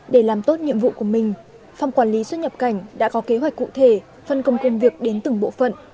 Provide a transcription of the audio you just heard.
để làm tốt nhiệm vụ của mình phòng quản lý xuất nhập cảnh đã có kế hoạch cụ thể phân công công việc đến từng bộ phận